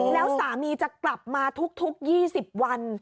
แล้วสามีจะกลับมาทุก๒๐วัน